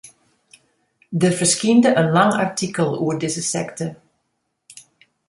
Der ferskynde in lang artikel oer dizze sekte.